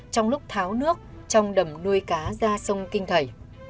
trong lúc tháo nước trong đầm nuôi cá ra sông kinh thầy